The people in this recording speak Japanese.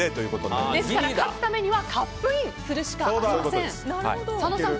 ですから勝つためにはカップインするしかありません。